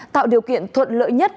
tạo điều kiện thuận lợi nhất